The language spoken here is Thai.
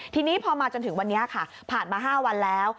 ทีนี้พอมาจนถึงวันนี้ค่ะผ่านมา๕วันแล้ว